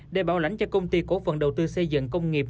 để bảo lãnh cho công ty cổ phần đầu tư xây dựng công nghiệp